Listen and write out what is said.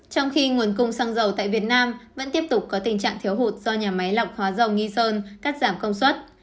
trong khi nguồn cung xăng dầu tại việt nam vẫn tiếp tục có tình trạng thiếu hụt do nhà máy lọc hóa dầu nghi sơn cắt giảm công suất